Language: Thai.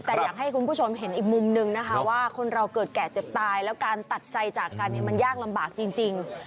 แต่อยากให้คุณผู้ชมเห็นอีกมุมนึงนะคะว่าคนเราเกิดแก่เจ็บตายแล้วการตัดใจจากกันมันยากลำบากจริง